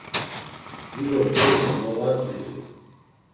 Dido bgori do mo var bdziri?